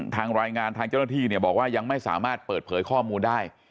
ทางรายงานทางเจ้าหน้าที่เนี่ยบอกว่ายังไม่สามารถเปิดเผยข้อมูลได้